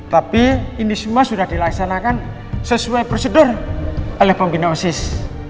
tapi ini semua sudah dilaksanakan sesuai prosedur oleh pembina osis